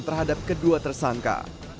terhadap kedua tersangka